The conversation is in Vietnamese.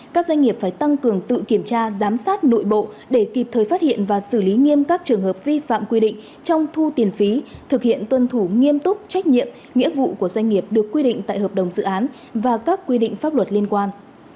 các doanh nghiệp phải tăng cường tự kiểm tra giám sát nội bộ để kịp thời phát hiện và xử lý nghiêm các trường hợp vi phạm quy định trong thu tiền phí thực hiện tuân thủ nghiêm túc trách nhiệm nghĩa vụ của doanh nghiệp được quy định tại hợp đồng dự án và các quy định pháp luật liên quan